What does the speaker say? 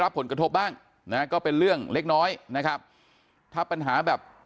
ผลกระทบบ้างนะฮะก็เป็นเรื่องเล็กน้อยนะครับถ้าปัญหาแบบ